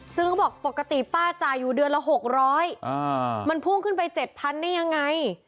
ซึ่งเขาบอกปกติป้าจ่ายอยู่เดือนละ๖๐๐มันพุ่งขึ้นไป๗๐๐ได้ยังไง